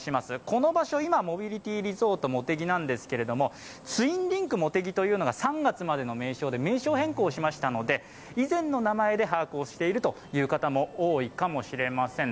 この場所、今、モビリティリゾートもてぎなんですけれども、ツインリンクもてぎというのが３月までの名称で名称変更しましたので以前の名前で把握をしているという方も多いかもしれません。